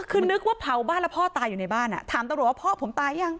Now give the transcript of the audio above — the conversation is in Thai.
คือนึกว่าเผาบ้านแล้วพ่อตายอยู่ในบ้านอ่ะถามตำรวจว่าพ่อผมตายยัง